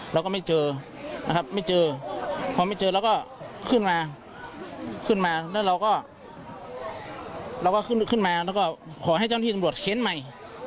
แล้วก็ไม่เจอนะครับไม่เจอพอไม่เจอแล้วก็ขึ้นมาขึ้นมาแล้วเราก็ขอให้เจ้าหน้าที่สำรวจเข้นใหม่